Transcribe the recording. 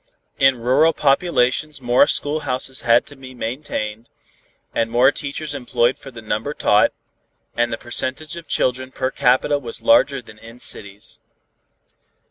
In rural populations more schoolhouses had to be maintained, and more teachers employed for the number taught, and the percentage of children per capita was larger than in cities.